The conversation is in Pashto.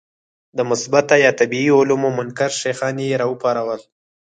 د مثبته یا طبیعي علومو منکر شیخان یې راوپارول.